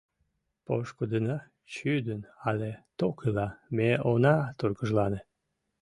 Пошкудына чӱдын але ток ила, ме она тургыжлане.